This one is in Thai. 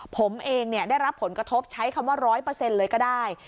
ผมเองได้รับผลกระทบใช้คำว่า๑๐๐เลยก็ได้